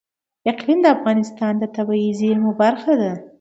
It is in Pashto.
اقلیم د افغانستان د طبیعي زیرمو برخه ده.